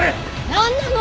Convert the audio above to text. なんなの！？